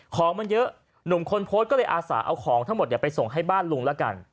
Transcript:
ของมันเยอะหนุ่มคนโพสต์ก็เลยอาสาเอาของทั้งหมดไปส่งให้บ้านลุงละกัน